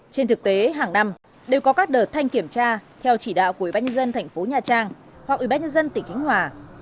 trên thực tế hàng năm đều có các đợt thanh kiểm tra theo chỉ đạo của ủy ban nhân dân thành phố nha trang hoặc ủy ban nhân dân tỉnh khánh hòa